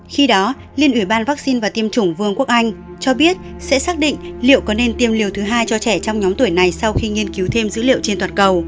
khi đó liên ủy ban vaccine và tiêm chủng vương quốc anh cho biết sẽ xác định liệu có nên tiêm liều thứ hai cho trẻ trong nhóm tuổi này sau khi nghiên cứu thêm dữ liệu trên toàn cầu